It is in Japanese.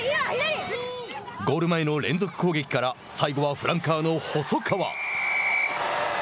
ゴール前の連続攻撃から最後はフランカーの細川。